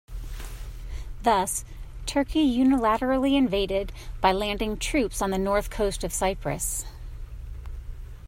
Thus Turkey unilaterally invaded by landing troops on the north coast of Cyprus.